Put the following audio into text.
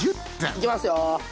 行きますよ！